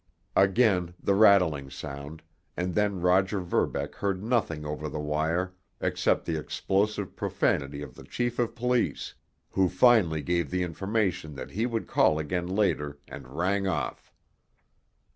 Again the rattling sound, and then Roger Verbeck heard nothing over the wire except the explosive profanity of the chief of police, who finally gave the information that he would call again later, and rang off.